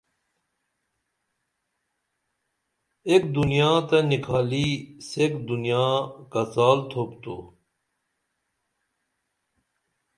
ایک دنیا تہ نِکھالی سیک دنیا کڅال تھوپ تو